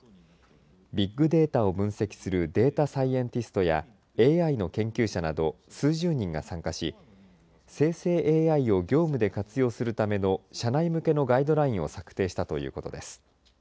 ビッグデータを分析するデータサイエンティストやＡＩの研究者など数十人が参加し生成ＡＩを業務で活用するための社内向けのガイドラインを策定したということです。